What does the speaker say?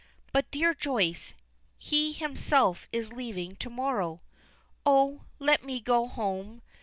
"But, dear Joyce, he himself is leaving to morrow." "Oh, let me go home.